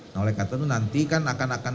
nah oleh kata ibu nanti kan akan akan